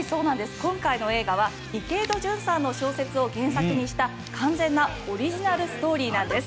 今回の映画は池井戸潤さんの小説を原作にした完全なオリジナルストーリーなんです。